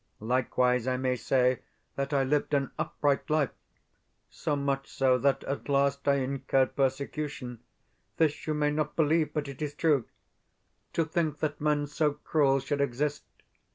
Likewise I may say that I lived an upright life so much so that at last I incurred persecution. This you may not believe, but it is true. To think that men so cruel should exist!